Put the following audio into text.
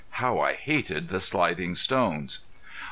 How I hated the sliding stones!